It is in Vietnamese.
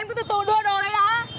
em cứ từ từ đưa đồ này ra